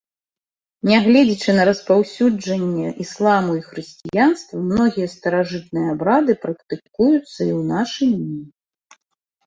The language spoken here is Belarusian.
Нягледзячы на распаўсюджанне ісламу і хрысціянства, многія старажытныя абрады практыкуюцца і ў нашы дні.